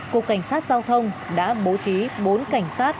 cục cảnh sát giao thông đã bố trí bốn cảnh sát